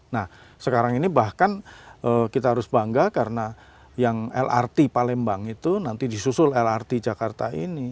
nah sekarang ini bahkan kita harus bangga karena yang lrt palembang itu nanti disusul lrt jakarta ini